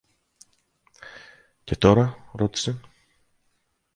Και τώρα; ρώτησε.